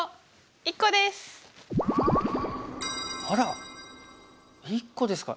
あら１個ですか。